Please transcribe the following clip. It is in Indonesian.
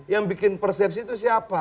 yang bikin persepsi itu siapa